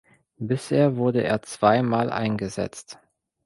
Bisher wurde er zweimal eingesetzt.